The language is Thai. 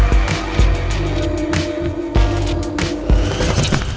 มันเป็นอะไรครับ